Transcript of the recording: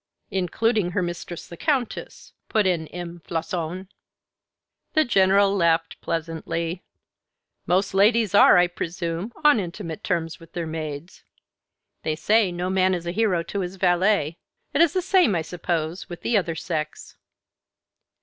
"Including her mistress, the Countess," put in M. Floçon. The General laughed pleasantly. "Most ladies are, I presume, on intimate terms with their maids. They say no man is a hero to his valet. It is the same, I suppose, with the other sex."